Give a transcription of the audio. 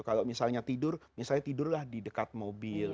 kalau misalnya tidur misalnya tidurlah di dekat mobil